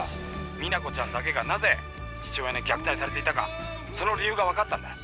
実那子ちゃんだけがなぜ父親に虐待されていたかその理由が分かったんだよ。